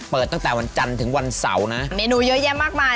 เปิดตั้งแต่วันจันทร์ถึงวันเสาร์นะเมนูเยอะแยะมากมาย